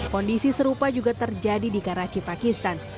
kondisi serupa juga terjadi di karachi pakistan